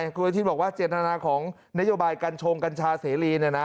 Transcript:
คุณอาทิตย์บอกว่าเจตนาของนโยบายกัญชงกัญชาเสรี